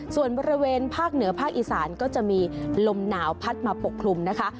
ส่วนบริเวณภาคเหนือภาคอีสานก็จะมีลมหนาวพัดมาปกคลุมนะคะ